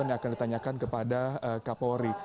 dan juga akan ditanyakan kepada kapolri